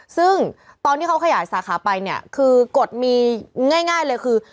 ซึ่งตอนที่เขาขยายสาขาไปเนี่ยคือกฎมีง่ายเลยคือ